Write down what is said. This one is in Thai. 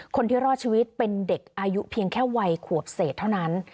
คนที่รอดชีวิตเป็นเด็กอายุเพียงแค่วัยขวบเศษเท่านั้น